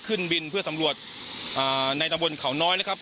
ขึ้นบินเพื่อสำรวจในตะบนเขาน้อยนะครับ